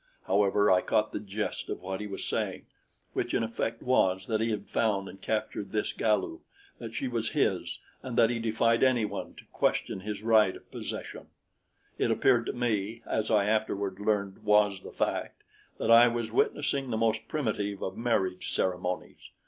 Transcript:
However I caught the gist of what he was saying which in effect was that he had found and captured this Galu, that she was his and that he defied anyone to question his right of possession. It appeared to me, as I afterward learned was the fact, that I was witnessing the most primitive of marriage ceremonies.